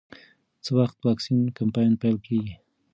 څه وخت واکسین کمپاین پیل کېږي؟